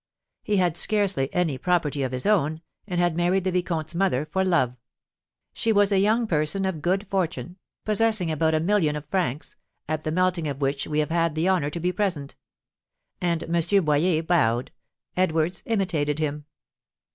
He had scarcely any property of his own, and had married the vicomte's mother for love. She was a young person of good fortune, possessing about a million of francs, at the melting of which we have had the honour to be present." And M. Boyer bowed. Edwards imitated him.